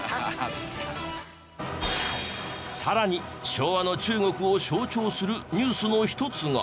さらに昭和の中国を象徴するニュースの一つが。